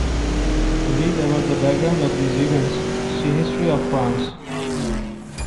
To read about the background to these events, see History of France.